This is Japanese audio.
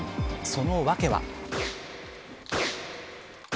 その訳は。